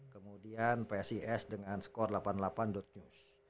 kemudian psis dengan skor delapan puluh delapan news